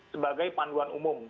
sebagai panduan umum